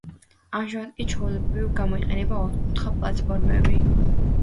ამჟამად კი ჩვეულებრივ გამოიყენება ოთხკუთხა პლატფორმები.